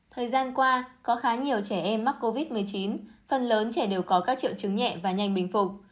thời gian qua có khá nhiều trẻ em mắc covid một mươi chín phần lớn trẻ đều có các triệu chứng nhẹ và nhanh bình phục